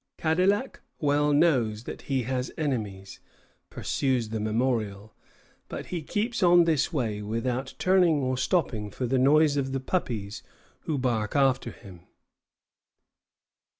"Cadillac well knows that he has enemies," pursues the memorial, "but he keeps on his way without turning or stopping for the noise of the puppies who bark after him."